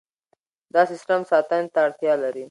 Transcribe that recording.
دا سیستم ساتنې ته اړتیا لري.